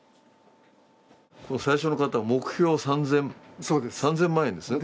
この最初の方は、目標３０００万円ですね。